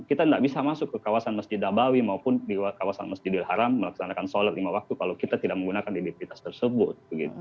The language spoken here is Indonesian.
kita tidak bisa masuk ke kawasan masjid nabawi maupun di kawasan masjidil haram melaksanakan sholat lima waktu kalau kita tidak menggunakan identitas tersebut